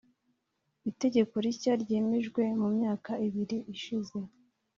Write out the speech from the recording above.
itegeko rishya ryemejwe mu myaka ibiri ishize